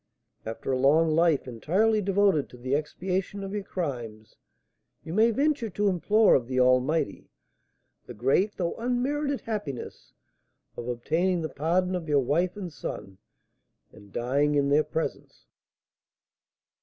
After a long life, entirely devoted to the expiation of your crimes, you may venture to implore of the Almighty the great though unmerited happiness of obtaining the pardon of your wife and son, and dying in their presence."